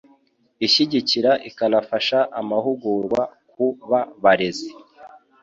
ishyigikira ikanafasha amahugurwa ku ba barezi